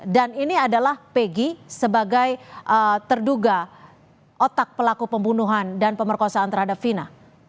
dan ini adalah peggy sebagai terduga otak pelaku pembunuhan dan pemerkosaan terhadap vina